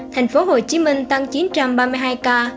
tp hcm tăng chín trăm ba mươi hai ca